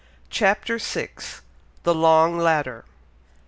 CHAPTER VI. THE LONG LADDER.